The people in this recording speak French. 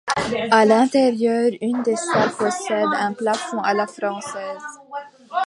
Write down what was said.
À L'intérieur, une des salles possède un plafond à la française.